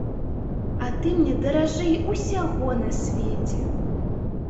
А ты мне даражэй усяго на свеце!